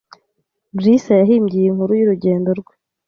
Bruce yahimbye iyi nkuru y'urugendo rwe